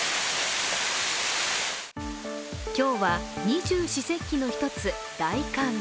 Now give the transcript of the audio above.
今日は二十四節気の１つ、大寒。